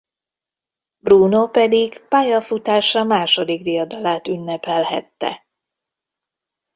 Bruno pedig pályafutása második diadalát ünnepelhette.